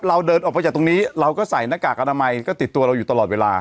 เราเดินออกไปจากตรงนี้เราก็ใส่หน้ากากอนามัยก็ติดตัวเราอยู่ตลอดเวลา